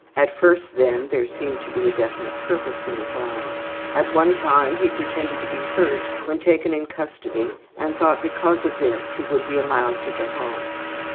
At first, then, there seemed to be a definite purpose in his lying. At one time he pretended to be hurt when taken in custody and thought because of this he would be allowed to go home.